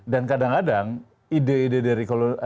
dan kadang kadang ide ide dari